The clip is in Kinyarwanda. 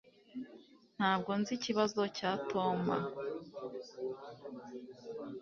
Ntabwo nzi ikibazo cya Toma